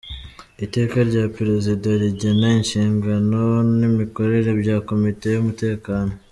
Iteka rya Perezida rigena inshingano n‟imikorere bya Komite y‟Umutekano ;